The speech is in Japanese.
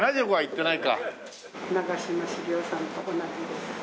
長嶋茂雄さんと同じです。